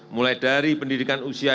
mulai dari pendidikan pendidikan